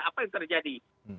apa yang terjadi